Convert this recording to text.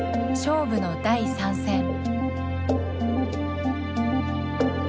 勝負の第３戦。